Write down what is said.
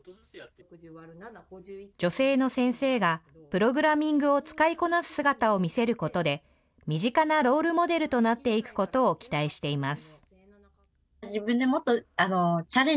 女性の先生がプログラミングを使いこなす姿を見せることで、身近なロールモデルとなっていくことを期待しています。